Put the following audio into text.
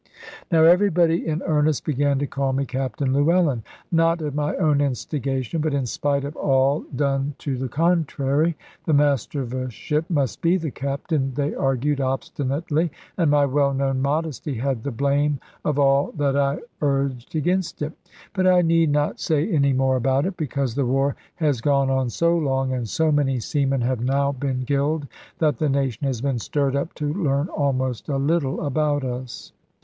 Now everybody in earnest began to call me "Captain Llewellyn" not at my own instigation, but in spite of all done to the contrary. The master of a ship must be the captain, they argued, obstinately; and my well known modesty had the blame of all that I urged against it. But I need not say any more about it; because the war has gone on so long, and so many seamen have now been killed, that the nation has been stirred up to learn almost a little about us.